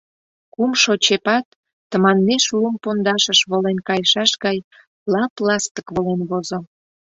Кумшо чепат, тыманмеш лум пундашыш волен кайышаш гай, лап-ластык волен возо.